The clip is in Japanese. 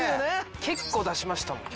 結構出しましたもんね。